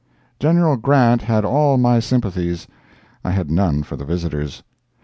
General Grant had all my sympathies—I had none for the visitors.